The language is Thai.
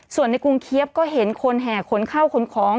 ส่วนในกรุงเคี๊ยบก็เห็นคนแห่ขนเข้าขนของ